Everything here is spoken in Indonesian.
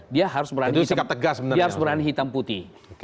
dia harus berani hitam putih